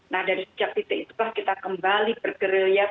nah dari setiap detik itulah kita kembali bergerilya